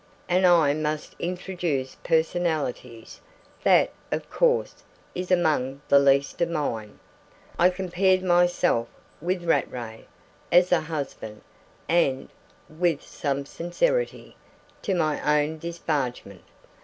And I must introduce personalities; that, of course, is among the least of mine. I compared myself with Rattray, as a husband, and (with some sincerity) to my own disparagement.